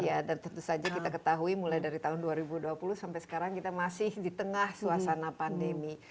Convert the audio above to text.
iya dan tentu saja kita ketahui mulai dari tahun dua ribu dua puluh sampai sekarang kita masih di tengah suasana pandemi